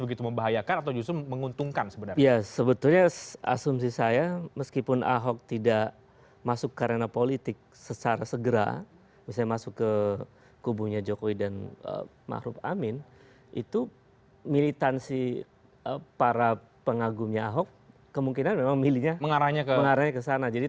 ingin menikmati kehidupan pribadi